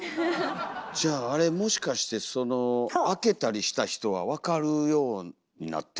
じゃああれもしかしてその開けたりした人は分かるようになってたんだろうか？